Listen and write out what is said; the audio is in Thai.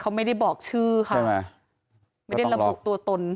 เขาไม่ได้บอกชื่อค่ะไม่ได้ระบุตัวตน